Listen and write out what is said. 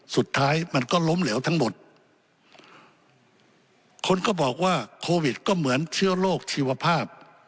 สุดท้ายมันก็ล้มเหลวทั้งหมดคนก็บอกว่าโควิดก็เหมือนเชื้อโรคชีวภาพ